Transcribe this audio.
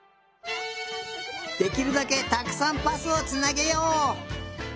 できるだけたくさんパスをつなげよう。